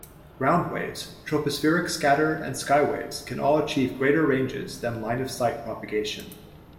Ground waves, tropospheric scatter and skywaves can all achieve greater ranges than line-of-sight propagation.